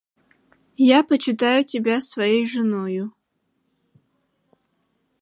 – Я почитаю тебя своею женою.